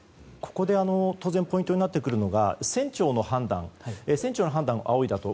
ここで当然ポイントになってくるのが船長の判断をあおいだと。